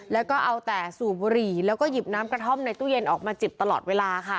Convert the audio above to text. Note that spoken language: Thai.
แล้วก็เอาแต่สูบบุหรี่แล้วก็หยิบน้ำกระท่อมในตู้เย็นออกมาจิบตลอดเวลาค่ะ